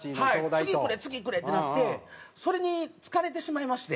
次くれ次くれってなってそれに疲れてしまいまして。